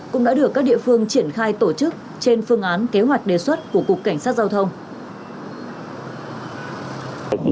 cũng đã được các địa phương triển khai tổ chức trên phương án kế hoạch đề xuất của cục cảnh sát giao thông